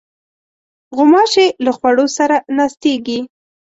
غوماشې له خوړو سره ناستېږي.